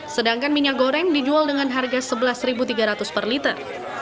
sedangkan minyak goreng dijual dengan harga rp sebelas tiga ratus per liter